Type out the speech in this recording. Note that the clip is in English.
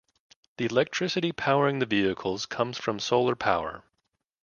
The electricity powering the vehicles comes from solar power.